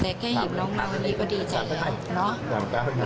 แต่แค่เห็นน้องมาวันนี้ก็ดีใจแล้วเนอะ